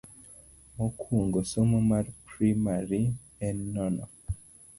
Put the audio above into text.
Mokuongo somo mar primari en nono.